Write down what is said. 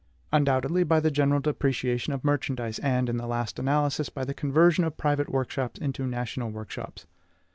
Undoubtedly, by the general depreciation of merchandise, and, in the last analysis, by the conversion of private workshops into national workshops.